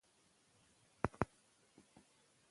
د پښتو ادب په معاصره دوره کې ډېر بدلونونه راغلي دي.